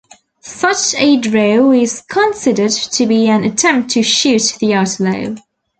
Such a draw is considered to be an attempt to "shoot" the outlaw.